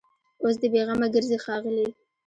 اوس دي بېغمه ګرځي ښاغلي